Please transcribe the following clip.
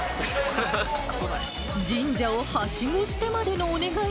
神社をはしごしてまでのお願い。